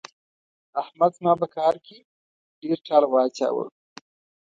احمد زما په کار کې ډېر ټال واچاوو.